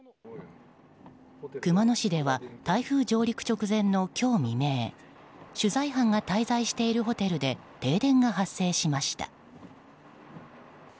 熊野市では台風上陸直前の今日未明取材班が滞在しているホテルで停電が発生しました。